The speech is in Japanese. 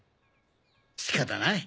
仕方ない。